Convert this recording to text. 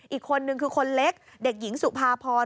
อีกคนนึงคือคนเล็กเด็กหญิงสุภาพร